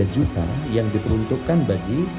tiga juta yang diperuntukkan bagi